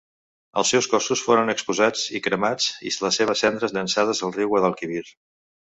Els seus cossos foren exposats i cremats, i les seves cendres llençades al riu Guadalquivir.